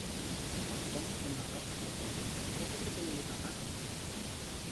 Αυτόν τον αγάπησα πολύ, όσο και τον Λουκαδάκο μου